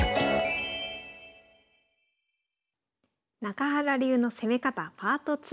中原流の攻め方パート２。